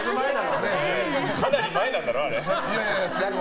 かなり前なんだろ、あれ。